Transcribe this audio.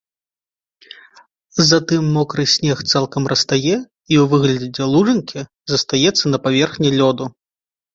Затым мокры снег цалкам растае і ў выглядзе лужынкі застаецца на паверхні лёду.